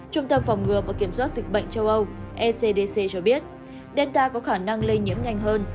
trung tâm phòng ngừa và kiểm soát dịch bệnh châu âu ecdc cho biết delta có khả năng lây nhiễm nhanh hơn